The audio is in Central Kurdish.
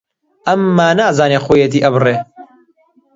ئەمما نازانێ خۆیەتی ئەبرێ